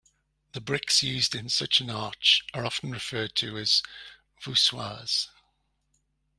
The bricks used in such an arch are often referred to as 'voussoirs'.